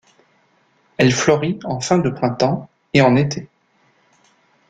Elle fleurit en fin de printemps et en été.